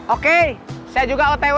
oke saya juga otw